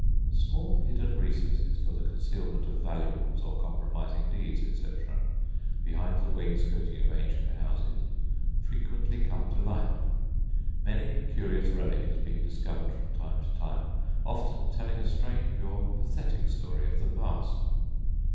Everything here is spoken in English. Small hidden recesses for the concealment of valuables or compromising deeds, etc., behind the wainscoting of ancient houses, frequently come to light. Many a curious relic has been discovered from time to time, often telling a strange or pathetic story of the past.